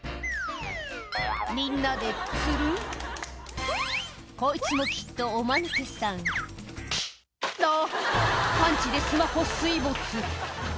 みんなでツルンこいつもきっとおマヌケさんあっパンチでスマホ水没